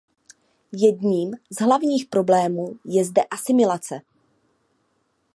Jedním z hlavních problémů je zde asimilace.